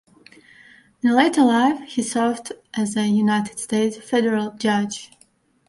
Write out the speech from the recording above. In later life, he served as a United States federal judge.